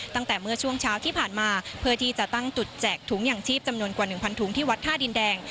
ตั้งแต่เมื่อช่วงเช้าที่ผ่านมาเพื่อที่จะตั้งจุดแจกถุงอย่างชีพจำนวนกว่า๑๐๐ถุงที่วัดท่าดินแดง